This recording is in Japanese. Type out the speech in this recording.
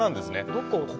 どこ？